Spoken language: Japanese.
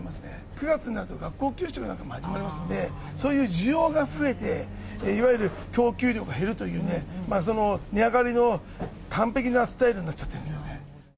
９月になると学校給食なんかも始まりますんで、そういう需要が増えて、いわゆる供給量が減るというね、その、値上がりの完璧なスタイルになっちゃってるんですよね。